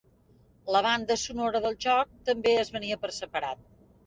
La banda sonora del joc també es venia per separat.